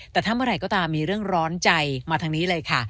แต่ถ้าเมื่อไหร่ก็ตามมีเรื่องร้อนใจมาทางนี้เลยค่ะ